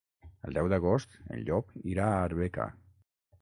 El deu d'agost en Llop irà a Arbeca.